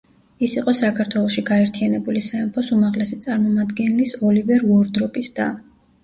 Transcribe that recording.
ის იყო საქართველოში გაერთიანებული სამეფოს უმაღლესი წარმომადგენლის, ოლივერ უორდროპის და.